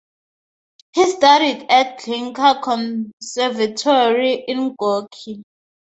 He studied at the Glinka Conservatory in Gorky.